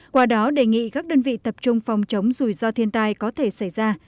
qua đó đề nghị các đơn vị tập trung phòng chống rủi ro thiên tai có thể xảy ra